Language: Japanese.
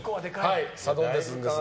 サドンデスです。